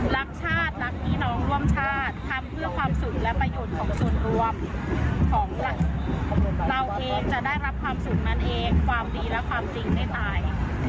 รักชาติรักพี่น้องร่วมชาติทำเพื่อความสุขและประโยชน์ของส่วนรวมของเราเองจะได้รับความสุขนั้นเองความดีและความจริงได้ตาย